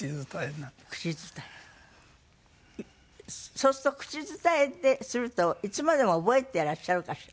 そうすると口伝えでするといつまでも覚えていらっしゃるかしら？